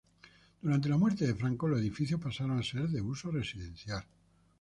Durante la muerte de Franco, los edificios pasaron a ser de uso residencial.